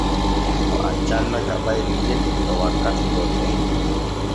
O accanno jabayel ŋel to wakkati gom nun.